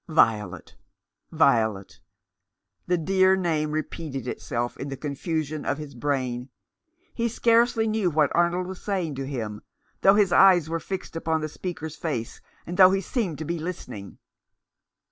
"Violet! Violet!" The dear name repeated itself in the confusion of his brain. He scarcely knew what Arnold was saying to him, though his eyes were fixed upon the speaker's face, and though he seemed to be listening.